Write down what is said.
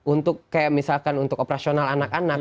untuk kayak misalkan untuk operasional anak anak